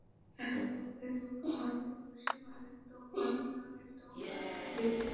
একপর্যায়ে যখন মাথায় ঘুষি মারেন তখন আমি অনেকটা জ্ঞান হারিয়ে ফেলি।